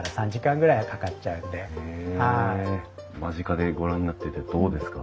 間近でご覧になっててどうですか？